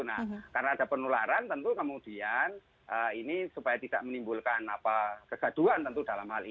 nah karena ada penularan tentu kemudian ini supaya tidak menimbulkan kegaduhan tentu dalam hal ini